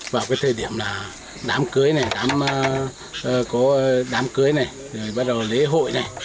vào cái thời điểm là đám cưới này có đám cưới này rồi bắt đầu lễ hội này